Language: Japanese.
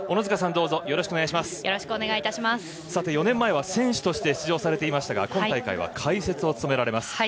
４年前は選手として出場しましたが今大会は解説を務められます。